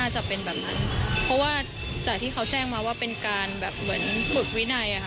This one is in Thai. จากที่เขาแจ้งมาว่าเป็นการเหมือนบึกวินัย